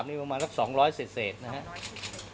เนื่องจากว่าอยู่ระหว่างการรวมพญาหลักฐานนั่นเองครับ